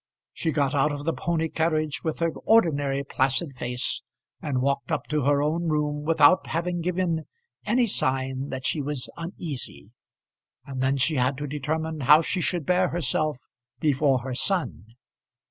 She got out of the pony carriage with her ordinary placid face, and walked up to her own room without having given any sign that she was uneasy; and then she had to determine how she should bear herself before her son.